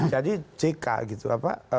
jadi jk gitu apa